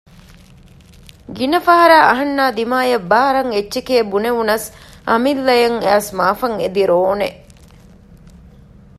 ގިނަ ފަހަރަށް އަހަންނާ ދިމާއަށް ބާރަށް އެއްޗެކޭ ބުނެވުނަސް އަމިއްލައަށް އައިސް މާފަށް އެދި ރޯނެ